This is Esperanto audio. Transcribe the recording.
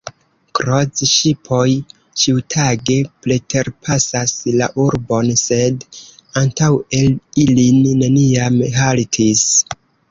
Kroz-ŝipoj ĉiutage preterpasas la urbon, sed antaŭe ili neniam haltis.